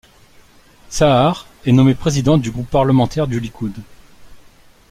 Sa'ar est nommé président du groupe parlementaire du Likoud.